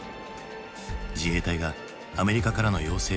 自衛隊がアメリカからの要請を受け